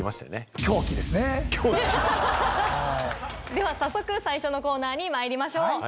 では早速最初のコーナーにまいりましょう。